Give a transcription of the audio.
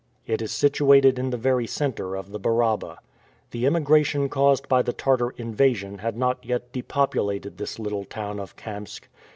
It is situated in the very center of the Baraba. The emigration caused by the Tartar invasion had not yet depopulated this little town of Kamsk.